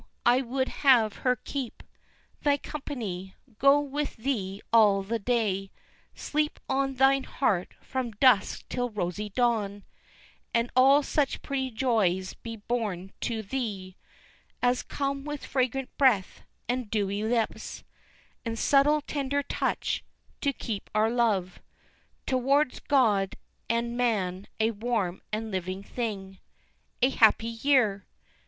I would have her keep Thy company, go with thee all the day, Sleep on thine heart from dusk till rosy dawn, And all such pretty joys be borne to thee As come with fragrant breath, and dewy lips, And subtle tender touch, to keep our love Towards God and man a warm and living thing. A Happy Year!